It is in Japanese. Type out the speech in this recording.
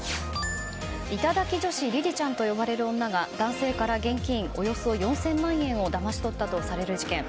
頂き女子りりちゃんと呼ばれる女が男性から現金およそ４０００万円をだまし取ったとされる事件。